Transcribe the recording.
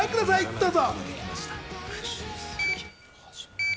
どうぞ。